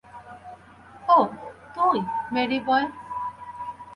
ওহ, তুই, মেরীবয়!